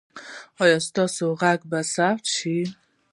ایا ستاسو غږ به ثبت شي؟